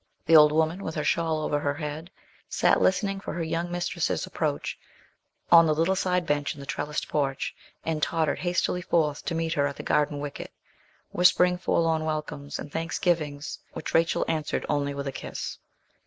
The old woman, with her shawl over her head, sat listening for her young mistress's approach, on the little side bench in the trellised porch, and tottered hastily forth to meet her at the garden wicket, whispering forlorn welcomes, and thanksgivings, which Rachel answered only with a kiss.